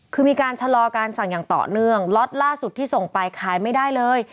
คือมีการชะลอการสั่งอย่างต่อเนื่องล็อตล่าสุดที่ส่งไปขายไม่ได้เลย